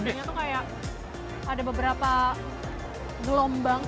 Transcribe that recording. biasanya tuh kayak ada beberapa gelombang